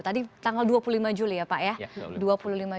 tadi tanggal dua puluh lima juli ya pak ya